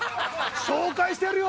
紹介してやるよ！